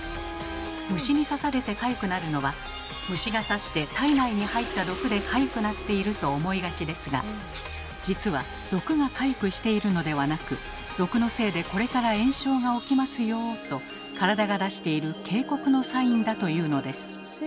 虫に刺されてかゆくなるのは虫が刺して体内に入った毒でかゆくなっていると思いがちですが実は毒がかゆくしているのではなく「毒のせいでこれから炎症が起きますよ」と体が出している警告のサインだというのです。